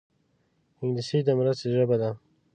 انګلیسي د مرستې ژبه ده